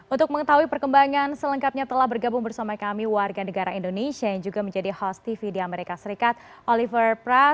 untuk mengetahui perkembangan selengkapnya telah bergabung bersama kami warga negara indonesia yang juga menjadi host tv di amerika serikat oliver pra